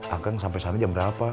akang sampai sana jam berapa